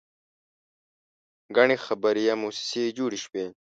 ګڼې خیریه موسسې جوړې شوې.